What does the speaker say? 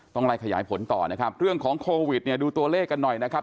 ไล่ขยายผลต่อนะครับเรื่องของโควิดเนี่ยดูตัวเลขกันหน่อยนะครับ